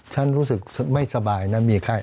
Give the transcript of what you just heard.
รู้สึกไม่สบายนะมีไข้